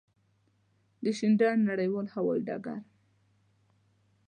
د شینډنډ نړېوال هوایی ډګر.